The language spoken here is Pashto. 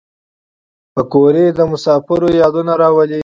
پکورې د مسافرو یادونه راولي